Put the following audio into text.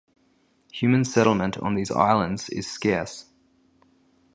Human settlement on these islands is scarce.